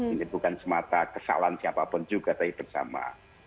ini bukan semata kesalahan siapapun juga tapi bersama